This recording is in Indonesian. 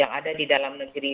yang ada di dalam negeri